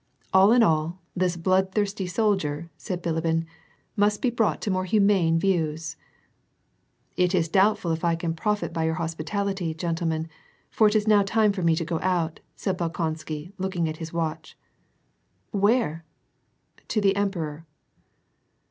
" All in all, this bloodthirsty soldier," said Bilibin, "must be brought to more humane views." " It is doubtful if I can profit by your hospitality, gentle men, for now it is time for me to go out," said Bolkonsky, look ing at his watch. " Where ?"" To the emperor."